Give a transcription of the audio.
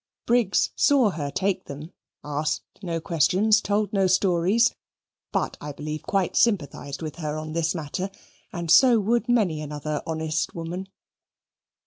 Briggs saw her take them, asked no questions, told no stories; but I believe quite sympathised with her on this matter, and so would many another honest woman.